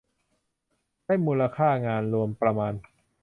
ได้มูลค่างานรวมประมาณ